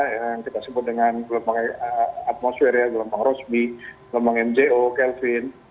yang kita sebut dengan gelombang atmosfer ya gelombang rosbi gelombang mjo kelvin